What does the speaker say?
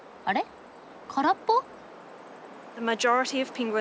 空っぽ？